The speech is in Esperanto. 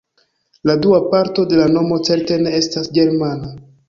La dua parto de la nomo certe ne estas ĝermana.